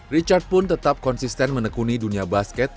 richard pun tetap konsisten menekuni dunia basket